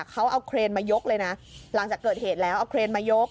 เขาเอาเครนมายกเลยนะหลังจากเกิดเหตุแล้วเอาเครนมายก